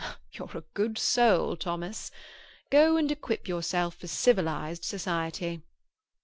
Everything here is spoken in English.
"You're a good soul, Thomas. Go and equip yourself for civilized society."